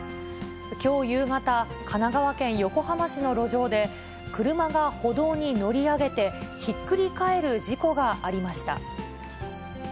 きょう夕方、神奈川県横浜市の路上で、車が歩道に乗り上げてひっくり返る事故がありました。